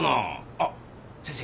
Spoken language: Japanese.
あっ先生。